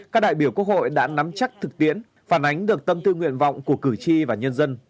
các đại biểu quốc hội đã nắm chắc thực tiễn phản ánh được tâm tư nguyện vọng của cử tri và nhân dân